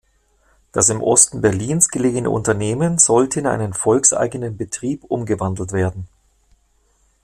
Das im Osten Berlins gelegene Unternehmen sollte in einen volkseigenen Betrieb umgewandelt werden.